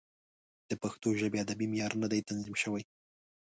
د پښتو ژبې ادبي معیار نه دی تنظیم شوی.